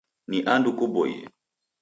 Ni andu kuboie.